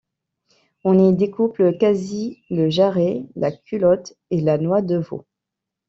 On y découpe le quasi, le jarret, la culotte et la noix de veau.